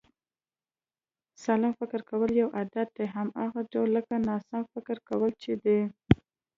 سالم فکر کول یو عادت دی، هماغه ډول لکه ناسلم فکر کول چې دی